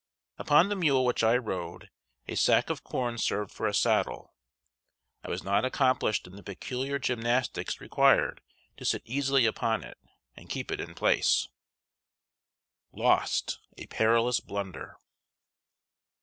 Upon the mule which I rode, a sack of corn served for a saddle. I was not accomplished in the peculiar gymnastics required to sit easily upon it and keep it in place. [Sidenote: LOST! A PERILOUS BLUNDER.